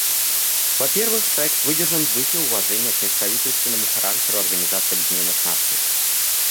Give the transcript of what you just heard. Во-первых, проект выдержан в духе уважения к межправительственному характеру Организации Объединенных Наций.